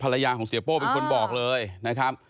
ภรรยาของเสียโป้เป็นคนบอกเลยนะครับ